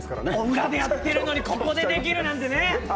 裏でやってるのに、ここでできるなんてね。